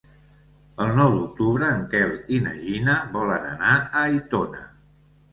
El nou d'octubre en Quel i na Gina volen anar a Aitona.